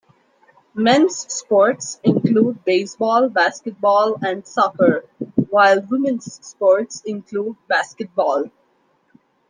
Men's sports include baseball, basketball and soccer; while women's sports include basketball.